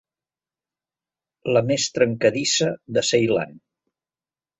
La més trencadissa de Ceilan.